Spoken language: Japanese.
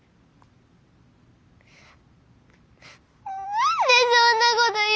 何でそんなこと言うの。